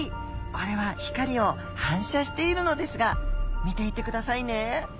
これは光を反射しているのですが見ていてくださいね。